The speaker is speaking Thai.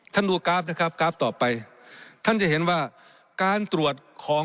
ดูกราฟนะครับกราฟต่อไปท่านจะเห็นว่าการตรวจของ